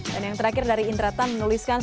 dan yang terakhir dari indratan menuliskan